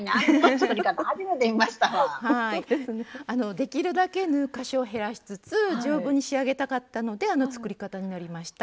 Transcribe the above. できるだけ縫う箇所を減らしつつ丈夫に仕上げたかったのであの作り方になりました。